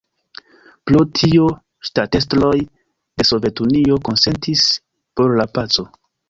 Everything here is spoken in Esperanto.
Pro tio ŝtatestroj de Sovetunio konsentis por la paco.